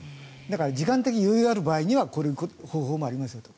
時間的に余裕がある場合はこういう方法もありますよと。